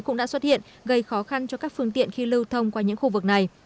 cũng đã xuất hiện gây khó khăn cho các phương tiện khi lưu thông qua những khu vực này